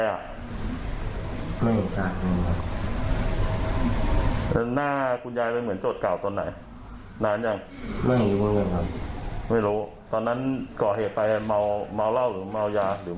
เอ่อก็จัดเทียวเลย